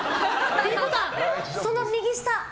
その右下。